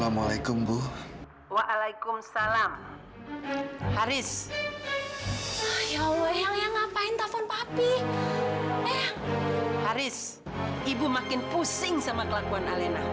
memangnya alena melakukan